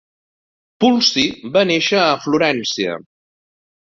Pulci va néixer a Florència.